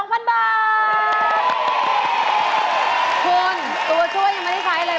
คุณตัวช่วยยังไม่ได้ใช้เลย